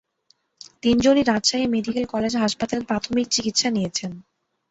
তিনজনই Rajshahi medical college হাসপাতালে প্রাথমিক চিকিৎসা নিয়েছেন।